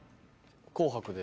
紅白で。